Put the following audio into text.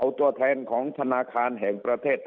ตัวแทนของธนาคารแห่งประเทศ